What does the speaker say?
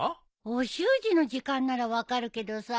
お習字の時間なら分かるけどさ